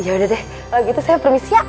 yaudah deh itu saya permisi ya